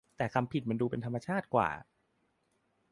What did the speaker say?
แต่คำผิดเยอะมันดูเป็นธรรมชาติกว่า